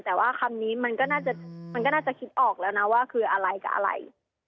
แต่ว่าคำนี้มันก็น่าจะคิดออกแล้วนะว่าคืออะไรกับอะไร